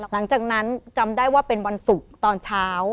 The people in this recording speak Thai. หลังจากนั้นจำได้ว่าเป็นวันศุกร์ตอนเช้า